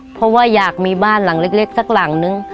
เพราะว่าอยากมีบ้านหลังเล็กสักหลังนึง